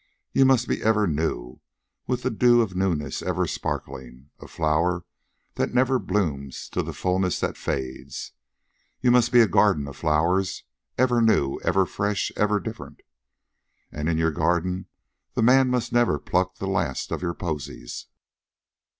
You must be ever new, with the dew of newness ever sparkling, a flower that never blooms to the fulness that fades. You must be a garden of flowers, ever new, ever fresh, ever different. And in your garden the man must never pluck the last of your posies.